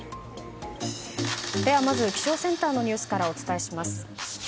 ではまず気象センターのニュースからお伝えします。